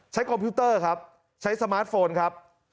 คอมพิวเตอร์ครับใช้สมาร์ทโฟนครับ